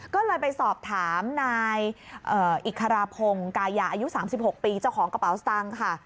ก็เลยไปสอบถามนายอิคราพงศ์กายาอายุ๓๖ปีเจ้าของกระเป๋าสตังค์ค่ะ